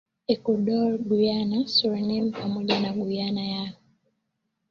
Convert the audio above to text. Ecuador Guyana Suriname pamoja na Guyana ya